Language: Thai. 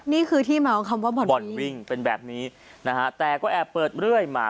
นี่คือที่มาของคำว่าบ่อนบ่อนวิ่งเป็นแบบนี้นะฮะแต่ก็แอบเปิดเรื่อยมา